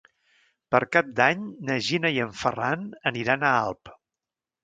Per Cap d'Any na Gina i en Ferran aniran a Alp.